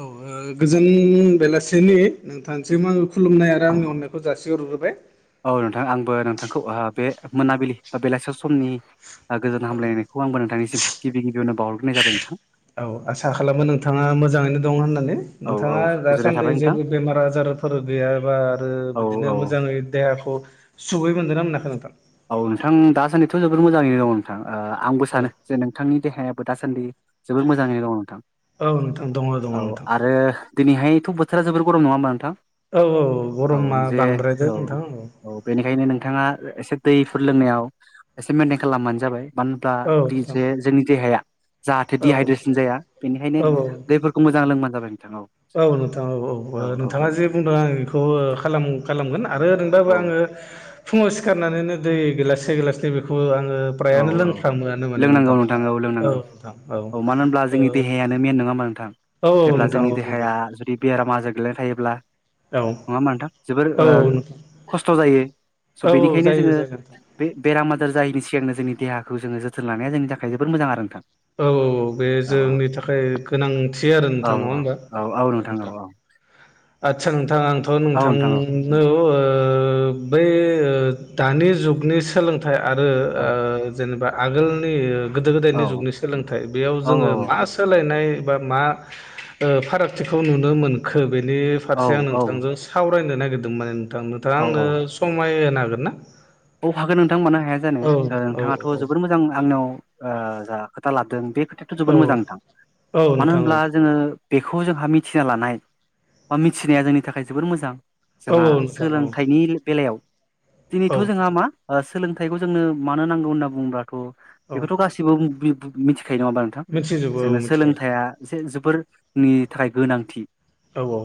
औ गोजोन बेलासिनि नोंथांसिम आङो खुलुमनाय आरो आंनि अननायखौ जासिहरग्रोबाय। औ नोंथां आंबो नोंथांखौ बे मोनाबिलि बा बेलासि समनि गोजोन हामलायनायखौ आंबो नोंथांनिसिम गिबि गिबियावनो बावहरग्रोनाय जाबाय नोंथां। औ आसा खालामो नोंथाङा मोजाङैनो दं होननानै औ औ नोंथाङा गोजोननाय दासान्दि थाबाय नोंथां जेबो बेमार आजार फोर गैयाबा आरो औ बिदिनो औ मोजाङै देहाखौ सुबै मोनदों ना मोनाखै नोंथां? औ नोंथां दासान्दिथ' जोबोद मोजाङैनो दं। नोंथां आंबो औ सानो जे नोंथांनि देहायाबो दासान्दि जोबोद मोजाङैनो दङ नोंथां। नोंथां दङ दङ औ नोंथां आरो दिनैहायथ' बोथोरा जोबोर गरम नङा होमबा नोंथां? औ औ औ गरमा जे बांद्रायदो नोंथां औ। बेनिखायनो नोंथाङा एसे दैफोर लोंनायाव एसे मेइनटेन खालामबानो जाबाय। मानो होनब्ला औ नोंथां जोंनि देहाया जाहाथे औ दिहाइद्रेसन जाया बेनिखायनो औ औ दैफोर खौ मोजां लोंबा जाबाय नोंथां औ। औ नोंथां औ औ नोंथाङा जे बुंदों आं बेखौ खालाम-खालामगोन आरो नों बाबो औ आङो फुङाव सिखारनानैनो दै गिलाससे गिलाससे बेखौ आङो औ फ्रायानो औ लोंफ्रामोआनो माने लोंनांगौ नोंथां औ लोंनांगौ औ मानो होनब्ला ओ जोंनि देहायानो मेन नङा होमबा नोंथां? औ जेब्ला नोंथां औ जोंनि नंगौ देहाया जुदि बेराम आजार गोलैनाय थायोब्ला औ नङा मा नोंथां जोबोर औ नोंथां खस्थ' जायो स' औ बेनिखायनो जायो जोङो जायो नोंथां बे-बेराम आजार जायैनि सिगांनो जोंनि देहाखौ जोङो जोथोन लानाया जोंनि थाखाय जोबोर मोजां आरो नोंथां। औ औ औ बे औ औ जोंनि थाखाय गोनांथि आरो नोंथां नङा होनबा? औ नोंथां। आदसा नोंथां आंथ' औ नोंथां औ नो बै दानि जुगनि सोलों थाइ आरो औ जेनेबा आगोलनि गोदो औ गोदायनि जुगनि सोलोंथाइ बेयाव औ जोङो मा सोलायनाय बा मा ओ फारागथिखौ नुनो मोनखो बेनि फारसे आं औ औ नोंथांजों सावरायनो नागिरदोंमोन माने नोंथां नोंथाङा औ आंनो समाय होनो हागोनना? औ हागोन नोंथां मानो हाया जानो नोंथाङाथ' जोबोर मोजां आंनियाव आ जा खोथा लादों बे खोथायाथ' औ जोबोद मोजां नोंथां औ मानो नोंथां औ होनब्ला जोङो बेखौ जोंहा मिथिना लानाय बा मिथिनाया जोंनि थाखाय जोबोर मोजां। औ जोंहा नोंथां औ सोलोंथाइनि बेलायाव औ दिनैथ' जोंहा नोंथां मा सोलोंथाइखौ जोंनो मानो नांगौ होनना बुंङोबाथ' औ बेखौथ' गासै बो मिथिखायो नङा होमबा नोंथां मिथिजोबो औ जोंनो मिथिबाय सोलोंथाइआ एसे जोबोरनि थाखाय गोनांथि औ औ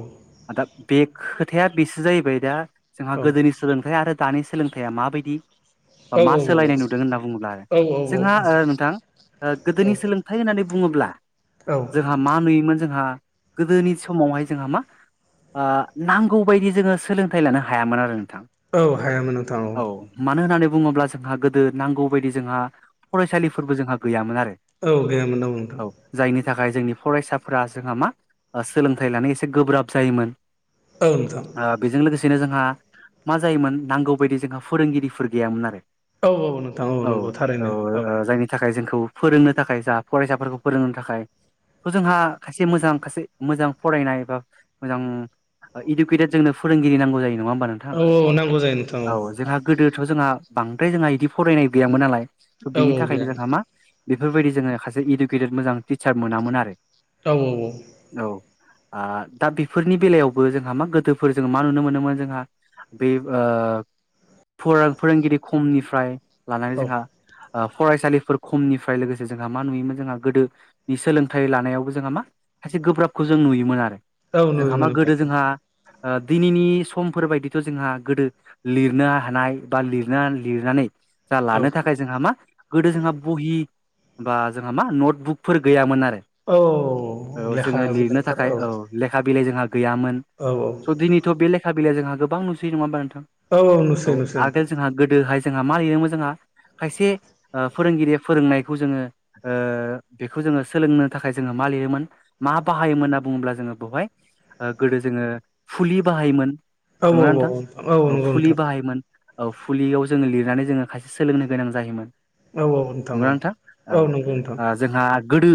दा बे खोथाया बेसो जाहैबाय दा जोंहा औ गोदोनि सोलोंथाइ आरो दानि सोलोंथाइया माबायदि बा मा सोलायनाय नुदों होनना बुङोब्ला आरो। औ औ जोंहा औ ओ नोंथां ओ औ गोदोनि सोलोंथाइ होननानै बुङोब्ला औ जों- हा मा नुयोमोन जोंहा गोदोनि समावहाय जोंहा मा ओ नांगौ बायदि जोङो सोलोंथाइ लानो हायामोन आरो नोंथां। औ हायामोन ओ औ मानो होननानै बुङोब्ला जोंहा गोदो नांगौ बायदि जोंहा फरायसालिफोरबो जोंहा गैयामोन आरो। औ [unintelligible] नोंथां औ जायनि थाखाय जोंनि फरायसाफोरा जोंहा मा सोलोंथाइ लानाय एसे गोब्राब जायोमोन। औ नोंथां। ओ बेजों लोगोसेनो जोंहा मा जायोमोन नांगौबायदि जोंहा फोरोंगिरिफोर गैयामोन आरो। औ औ नोंथां औ नंगौ औ थारैनो औ जायनि थाखाय जोंखौ फोरोंनो थाखाय जा फरायसाफोरखौ फोरोंनो थाखाय थ' जोंहा खासे मोजां खासे मोजां फरायनाय एबा मोजां ओ इडुकेटेड जोंनो फोरोंगिरि नांगौ जायो नङा होमबा नोंथां? औ औ नांगौ जायो नोंथां। औ जोंहा गोदोथ' जोंहा बांद्राय जोंहा इदि फरायनाय गैयामोन नालाय स' औ बिनि गैया थाखायनो जोंहा मा बेफोरबायदि जोङो खासे इडुकेटेड मोजां टिचार मोनामोन आरो। औ औ औ औ आ दा बेफोरनि बेलायावबो जोंहा मा गोदोफोर जों मा नुनो मोनोमोन जोंहा बे ओ फरा-फोरोंगिरि खमनिफ्राय लानानै औ जोंहा ओ फरायसालिफोर खमनिफ्राय लोगोसे जोंहा मा नुयोमोन जोंहा गोदो- नि सोलोंथाइ लानायावबो जोंहा मा खायसे गोब्राबखौ जों नुयोमोन आरो। औ जोंहा नुयोमोन मा नोंथां गोदो जोंहा ओ दिनैनि समफोर बायदिथ' जोंहा गोदो लिरनो हानाय बा लिरना-लिरनानै जा औ लानो थाखाय जोंहा मा गोदो जोंहा बहि बा जोंहा मा नटबुकफोर गैयामोन आरो। औ औ लेखा जोङो लिरनो बिलाइफोर थाखाय औ लेखा बिलाइ जोंहा गैयामोन। औ औ दिनैथ' बे लेखा बिलाइ जोंहा गोबां नुसैयो नङा होमा नोंथां? औ औ नुसै नुसै नोंथां आगोल जोंहा गोदोहाय जोंहा मा लिरो मो जोंहा खायसे ओ फोरोंगिरिया फोरोंनायखौ जोङो ओ बेखौ जोङो सोलोंनो थाखाय जोङो मा लिरोमोन मा बाहायोमोन होनना बुङोब्ला जोङो बेवहाय ओ गोदो जोङो फुलि बाहायोमोन। औ नंगौना औ नोंथां औ औ नंगौ फुलि नोंथां बाहायोमोन। औ फुलियाव जोङो लिरनानै जोङो खायसे सोलोंनो गोनां जायोमोन। औ औ नंगौना नोंथां? औ नंगौ नोंथां ओ जोंहा गोदो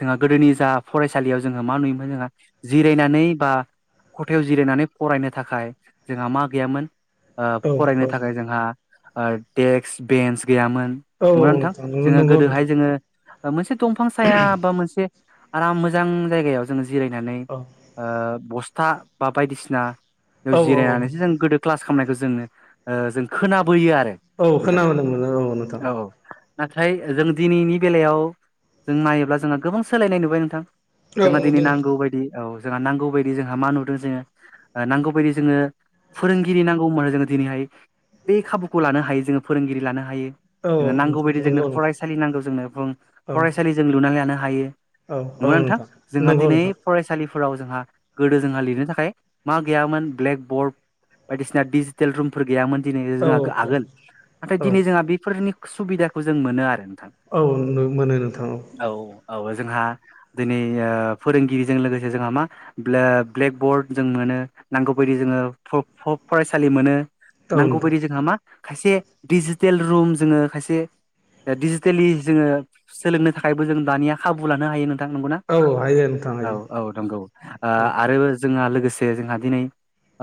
जोंहा गोदोनि जा फरायसालियाव जोंहा मा नुयोमोन जोंहा जिरायनानै बा खथायाव जिरायनानै फरायनो थाखाय जोंहा मा गैयामोन ओ औ फरायनो थाखाय जोंहा ओ डेक्स-बेन्स गैयामोन औ नंगौना नोंथां? नंगौ जोङो नंगौ गोदोहाय नोंथां जोङो मोनसे दंफां साया बा मोनसे आराम मोजां जायगायाव जोङो जिरायनानै औ ओ बस्था बा बायदिसिनायाव औ जिरायनानैसो औ जों गोदो क्लास खामनायखौ जोङो ओ जों खोनाबोयो आरो औ नोंथां। खोनाबोनो मोनो नोंथां औ। नाथाय जों दिनैनि बेलायाव जों नायोब्ला जोंहा गोबां सोलायनाय नुबाय नोंथां। औ जोंहा दिनै नुदों नोंथां नांगौ बायदि औ जोंहा नांगौ बायदि जोंहा मा नुदों जोङो नांगौ बायदि जोङो फोरोंगिरि नांगौमोन जोङो दिनैहाय बे खाबुखौ लानो हायो जोङो फोरोंगिरि लानो हायो। औ जों नांगौ नोंथां बायदि नंगौ जोंनो नोंथां फरायसालि नांगौ जोंनो भुम औ फरायसालि जों लुनानै लानो हायो। औ औ नंगौना नोंथां? जोंहा नंगौ दिनै नोंथां फरायसालिफोराव जोंहा गोदो जोंहा लिरनो थाखाय मा गैयामोन ब्लेक बर्ड बायदिसिना डिजिटेल रुमफोर गैयामोन दिनै औ जोंहा औ दे आगोल नाथाय औ दिनै जोंहा बेफोरनि सुबिदाखौ जों मोनो आरो नोंथां औ मोनो नोंथां औ औ औ जोंहा दिनै फोरोंगिरिजों लोगोसे जोंहा मा ब्ले-ब्लेक बर्ड जों मोनो नांगौ बायदि जोङो फ-फ-फरायसालि मोनो औ नांगौ नोंथां बायदि जोंहा मा खायसे दिजिटेल रुम जोङो खायसे डिजिटेलि जोङो सोलोंनो थाखायबो जों दानिया खाबु लानो हायो नोंथां नोंगौना। औ हायो नोंथां औ हायो औ नंगौ ओ आरो जोंहा लोगोसे जोंहा दिनै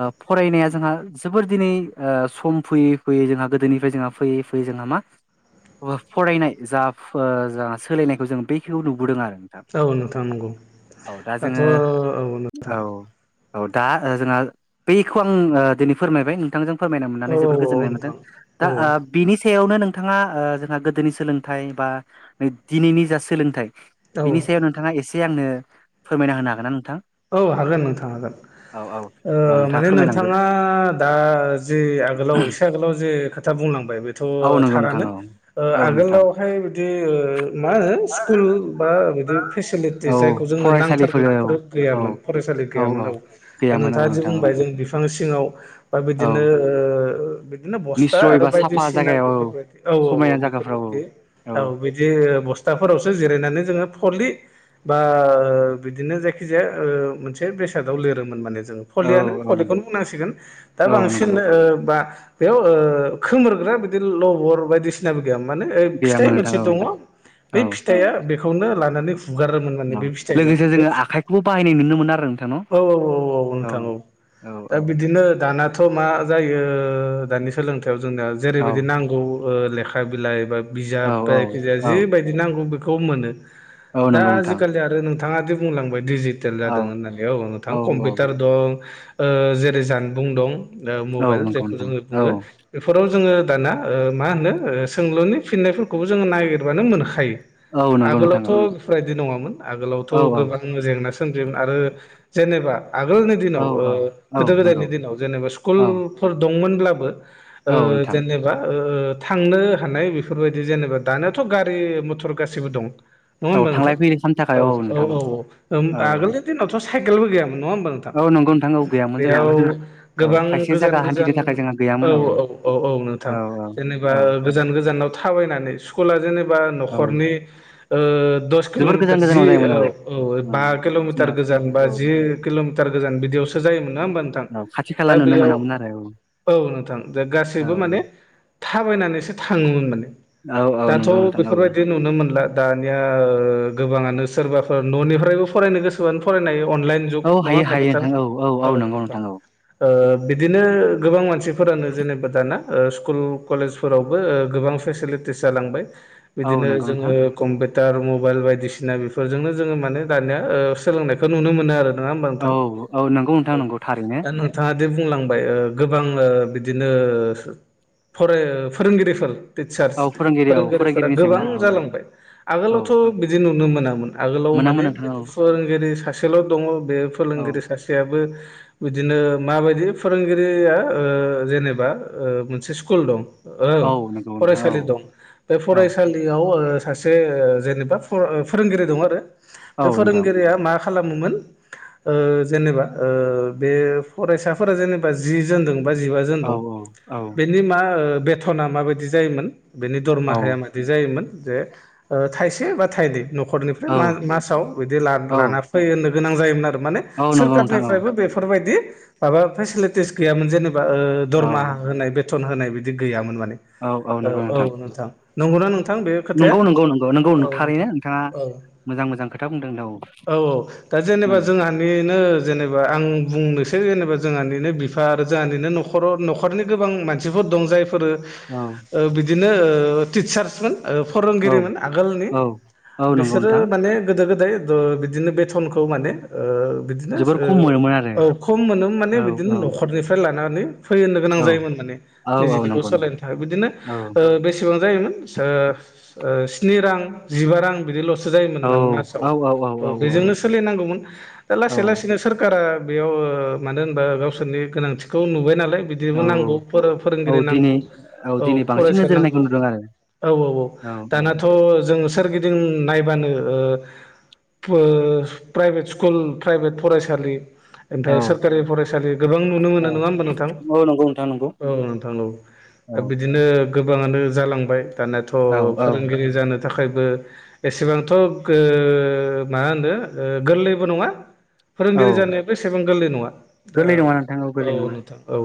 ओ फरायनाया जोंहा जोबोर दिनै ओ सम फैयै-फैयै जोंहा गोदोनिफ्राय जोंहा फैयै-फैयै जोंहा मा फरायनाय जा फराय सोलायनायखौ जों बेखिखौ नुबोदों आरो औ औ नोंथां नंगौ औ दा दाथ' जोङो औ नोंथां औ औ दा जोंहा बैखौ आं दिनै फोरमायबाय नोंथांजों फोरमायनो औ मोननानै औ जोबोर औ गोजोननाय मोनदों नोंथां औ दा ओ बिनि सायावनो नोंथाङा ओ जोंहा गोदोनि सोलोंथाइ बा दिनैनि जा सोलोंथाइ औ बेनि सायाव नोंथाङा एसे आंनो फोरमायना होनो हागोन ना नोंथां? औ हागोन नोंथां हागोन औ औ अब्ला ओ माने फोरमायलांदो नोंथाङा दा जे आगोलाव एसे आगोलाव जे खोथा बुंलांबाय बेथ' औ नंगौ नोंथां थारानो औ ओ औ नोंथां आगोलावहाय बिदि ओ मा होनो स्कुल बा बिदि फेसिलिटि औ जायखौ जोंनो फरायसालिफोर नांथारगौ औ बेफोरो औ गैयामोन फरायसालि औ गैयामोन औ दा गैयामोन औ नोंथाङा जे नोंथां औ बुंबाय जों बिफां सिङाव बा औ बिदिनो ओ बि बिदिनो बस्था निस्सय आरो बा साफा बायदिसिना जायगायाव बेफोरबायदि औ औ औ समायना जायगाफ्राव औ बेफोरबायदि औ बिदि जे बस्थाफोरावसो जिरायनानै जोङो फलि बा बिदिनो जायखि खिजाया ओ मोनसे बेसादाव लिरोमोन माने जों औ पलिआनो औ नंगौ पलिखौनो बुंनांसिगोन दा औ बांसिन नंगौ ओ बा बेयाव ओ खोमोरग्रा बिदि लबर बायदिसि नाबो गैया माने फिथाइ गैयामोन नोंथां मोनसे औ दङ औ बै फिथाइआ बेखौनो लानानै हुगारोमोन माने बे फिथाइजों बेखौ बाहायनाय नुनो मोनो आरो नोंथां। न औ औ औ औ नोंथां औ औ दा औ बिदिनो दाना थ' मा जायो दानि सोलोंथाइयाव जोंनोया जेरैबायदि नांगौ ओ लेखा बिलाइ बा औ बिजाब औ जायखिजाया औ जिबायदि नांगौ बेखौ मोनो औ दा नंगौ नोंथां आजिखालि आरो नोंथाङादि बुंलांबाय डिजिटेल औ जादों होननानै औ नोंथां कम्पिउटार दं ओ जेरै जानबुं दं औ मबाइल नंगौ जायखौ नोंथां जोङो औ बुङो बेफोराव जोङो दाना ओ मा होनो सोंलुनि फिननायफोरखौबो जोङो नागिरबानो मोनखायो औ नंगौ नोंथां आगोलावथ' बेफोरबायदि नङामोन आगोलावथ' औ गोबां उ जेंना सोमजियोमोन आरो जेनेबा आगोलनि औ दिनाव ओ औ औ गोदो नंगौ गोदायनि दिनाव जेनेबा औ स्कुलफोर दंमोनब्लाबो ओ औ नोंथां जेने बा ओ थांनो हानाय बेफोरबायदि जेनेबा दानाथ' गारि मथर गासिबो दं। नङा औ होमबा थांलाय नोंथां फैलाय खालामनो थाखाय औ औ नोंथां औ औ आगोलनि दिनावथ' साइकेलबो गैयामोन नङा होमबा नों थां औ नंगौ नोंथां औ गैयामोन जोंहा बेयाव औ गोबां खायसे गोजान जायगा हान्थिनो गोजान थाखाय जोंहा औ गैयामोन औ औ औ नों थां औ जेनेबा औ गोजान गोजानाव थाबायनानै स्कुला जेनेबा औ न'खरनि ओ दस जोबोर गोजान किल'मिटार जि गोजानाव जायोमोन औ औ बा किल'मिटार जोंहा गोजान बा औ जि किल'मिटार गोजान बिदियावसो जायोमोन नङा होमबा नोंथां। औ खाथि खाला दा नुनो बेयाव मोनामोन आरो औ नोंथां दे औ गासैबो माने थाबायनानैसो थाङोमोन माने औ औ दाथ' नंगौ नोंथां औ बेफोरबायदि नुनो मोनला दानिया ओ गोबाङानो सोरबाफोर न'निफ्रायबो फरायनो गोसोबानो फरायनो हायो अनलाइन नङा होमबा नोंथां औ नोंथां बिदिनो गोबां मानसिफोरानो जेनेबा दाना स्कुल कलेजफोरावबो गोबां फेसिलिटिस जालांबाय औ बिदिनो नंगौ जोङो नोंथां कम्पिउटार मबाइल बायदिसिना बेफोरजोंनो जोङो माने दानिया सोलोंनायखौ नुनो मोनो आरो। नङा होमबा औ नोंथां औ नंगौ नोंथां नंगौ थारैनो औ दा नोंथाङादि बुंलांबाय गोबां बिदिनो फराय फोरोंगिरिफोर टिचार्स औ फोरोंगिरि औ फोरोंगिरिफोरा फोरोंगिरिनि गोबां जेंना औ जालांबाय औ आगोलावथ' बिदि नुनो मोनामोन आगोलाव मोनामोन माने नोंथां औ बिदि फोरोंगिरि सासेल' दङ बे औ फोरोंगिरि सासेयाबो बिदिनो माबायदि फोरोंगिरिया ओ जेनेबा ओ मोनसे स्कुल दं औ नंगौ नोंथां औ फरायसालि दं बे औ फरायसालि याव आरो सासे जेनेबा फ-फोरोंगिरि दं आरो औ बे नोंथां फोरोंगिरिया मा खालामोमोन। जेनेबा बे फरायसाफोरा जेनेबा जि जोन दों बा जिबा औ औ बेनि मा बेथना माबायदि जायोमोन बेनि औ दरमाहाया बिदि जायोमोन जे थाइसे बा थाइनै न'खरनिफ्राय मासाव बिदि औ लाना फै होननो गोनां जायोमोन आरो माने औ नंगौ नोंथां औ सोरखारनिफ्रायबो बेफोरबायदि माबा फेसिलिटि स गैयामोन जेनेबा औ दरमाहा होनाय बेथन होनाय बिदि गैयामोन माने औ औ नोंथां नंगौना नोंथां बे खोथाया नंगौ नंगौ नंगौ नंगौ औ थारैनो नोंथां नोंथाङा औ। मोजां मोजां खोथा बुंदों औ औ औ दा जेनेबा जोंहा नो जेनेबा आं बुंनोसै जेनेबा जोंहानिनो बिफा आरो जोंहानिनो न'खर खर' न'खरनि गोबां मानसिफोर दं जायफोरो औ बिदिनो टिचार्समोन औ फोरोंगिरिमोन आगोलनि औ औ नंगौ बिसोरो नोंथां माने गोदो गोद बिदिनो बेथनखौ माने बिदिनो जोबोर खम मोनोमोन आरो खम मोनोमोन माने औ बिदिनो न'खरनिफ्राय लानानै फैहोनो गोनां औ जायोमोन माने औ औ निजिनिखौ नंगौ नंगौ सालायनो थाखाय बिदिनो औ बेसेबां जायोमोन स्नि रां जिबा रां बिदि लसो जायोमोन औ माने मासाव औ बेजोंनो सोलिनांगौमोन दा लासै औ लासैनो सोर कारा बेयाव मानो होनबा गावसोरनि गोनांथि खौ नुबाय नालाय बिदिबो औ नांगौ फोरोंगिरि औ दिनै नांगौ औ दिनै बांसिन फरायसा नोजोर होनायखौ नांगौ। नुदों आरो औ औ औ दानाथ' जों सोरगिदिं नायबानो प्राइभेट स्कुल प्राइभेट फरायसालि औ ओमफ्राय सोरखारि फरायसालि गोबां नुनो मोनो औ नङा होमबा नोंथां औ नंगौ नोंथां नंगौ औ नोंथां औ दा औ बिदिनो गोबाङानो जालांबाय दानियाथ' औ औ फोरोंगिरि जानो थाखायबो एसेबांथ' मा होनो गोरलैबो नङा। औ फोरोंगिरि जानायाबो एसेबां गोरलै नङा दा गोरलै नङा नोंथां गोरलै औ नङा नोंथां। औ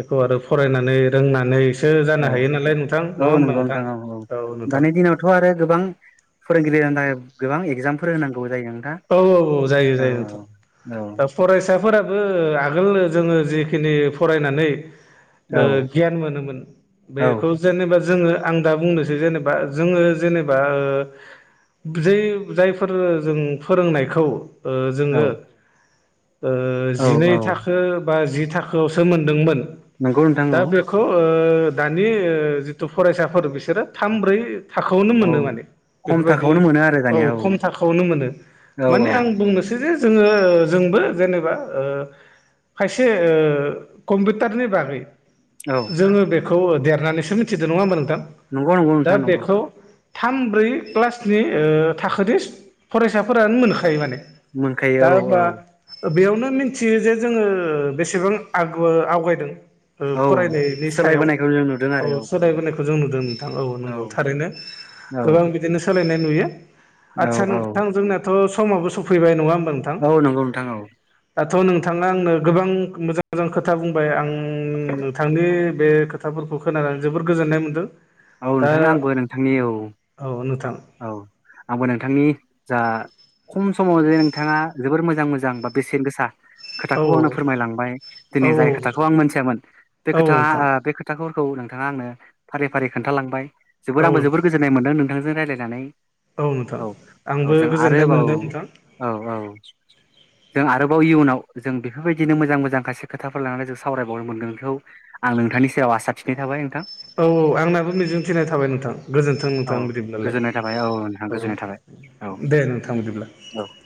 बेखौ आरो फरायनानै रोंनानै सो औ जानो हायो नालाय नोंथां नङा होमबा नोंथां औ नोंथां। दाथ' आरो गोबां फोरोंगिरि जानो थाखाय गोबां एगजामफोर होनांगौ जायो नोंथां। औ औ औ जायो जायो नोंथां औ दा फरायसाफोराबो आगोल जोङो जिखिनि फरायनानै औ गियान मोनोमोन औ बेखौ जेनेबा जोङो आं दा बुंनोसै जेनेबा जोङो जेनेबा जायफोर जों फोरोंनायखौ औ जोङो औ जिनै औ थाखो बा जि थाखोआवसो मोनदोंमोन। नोंंगौ नोंथां दा नंगौ। बेखौ दानि जिथु फरायसाफोर बिसोरो थाम ब्रै थाखोआवनो औ मोनो माने खम बेफोरबायदि थाखायावनो मोनो आरो औ दानिया खम थाखोआवनो मोनो। औ औ माने आं बुंनोसै जे जोङो जोंबो जेनेबा ओ खायसे कम्पिउटारनि बागै औ जोङो बेखौ देरनानैसो मिथिदों नङा होमब्ला नोंथां नंगौ नंगौ दा नोंथां नंगौ बेखौ थाम ब्रै क्लासनि थाखोनि फरायसाफोरानो मोनखायो माने दा मोनखायो औ ओमबा बेयावनो मिथियो जे जोङो बेसेबां आग आवगायदों औ फरायनायनि सायाव सोलायबोनायखौ जों नुदों औ आरो सोलायबोनायखौ खौ जों नुदों नोंथां औ नंगौ थारैनो गोबां बिदिनो सोलायनाय नुयो। औ आदसा नोंथां जोंनियाथ' समाबो सफैबाय नङा होमबा नोंथां? औ नंगौ नोंथां औ। दाथ' नोंथाङा आंनो गोबां मोजां मोजां खोथा बुंबाय आं थांनि बे खोथाफोरखौ खोनानानैं जोबोर गोजोननाय मोनदों। औ दा नोंथां आंबो नोंथांनि औ। औ नोंथां। औ आंबो नोंथांनि जा खम समाव ज नोंथाङा जोबोर मोजां मोजां बा बेसेन गोसा औ खोथाखौ आंनो फोरमायलांबाय औ दिनै जाय खोथाखौ नोंथां आं मिथियामोन बे औ खोथा नोंथां बे खोथाफोरखौ नोंथाङा आं फारि फारि खोन्थालांबाय जोबोर औ आंबो जोबोर नोंथां गोजोननाय मोनदों नोंथांजों रायज्लाय औ औ आंबो जों गोजोननाय आरोबाव मोनदों नोंथां औ औ। जों आरोबाव इयुनाव जों बेफोरबायदिनो मोजां मोजां खायसे खोथाफोर लानानै जों सावरायबावनो मोनगोन बेखौ। आं नोंथांनि सायाव आसा थिनाय थाबाय नोंथां। औ औ आंनाब मिजिं थनाय थाबाय नोंथां गोजोन्थों औ नोंथां बिदिब्ला। गोजोननाय थाबाय औ गोजोननाय नोंथां थाबाय औ दे नोंथां बिदिब्ला। औ